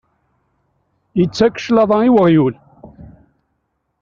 Yettak cclaḍa i uɣyul.